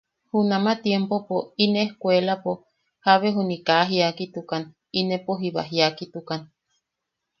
Junama tiempopo im ejkkuelapo jabe juni kaa jiakitukan, inepo jiba jiakitukan.